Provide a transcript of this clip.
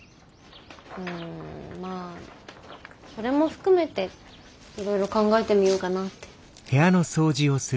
うんまあそれも含めていろいろ考えてみようかなって。